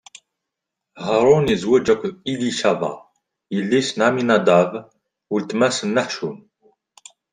Haṛun izweǧ akked Ilicaba, yelli-s n Ɛaminadab, weltma-s n Naḥcun.